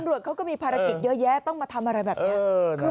ตำรวจเขาก็มีภารกิจเยอะแยะต้องมาทำอะไรแบบนี้